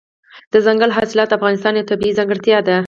دځنګل حاصلات د افغانستان یوه طبیعي ځانګړتیا ده.